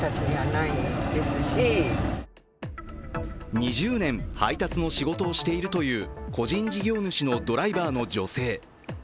２０年、配達の仕事をしているという個人事業主のドライバーの女性。